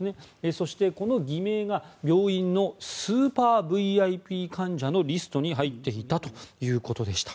そして、この偽名が病院のスーパーＶＩＰ患者のリストに入っていたということでした。